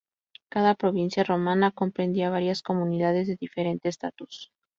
Cada provincia romana comprendía varias comunidades de diferente estatus.